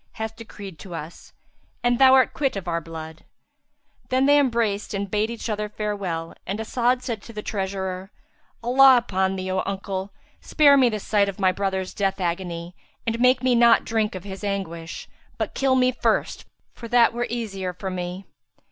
hath decreed to us; and thou art quit of our blood." Then they embraced and bade each other farewell, and As'ad said to the treasurer, "Allah upon thee, O uncle, spare me the sight of my brother's death agony and make me not drink of his anguish, but kill me first, for that were the easier for me."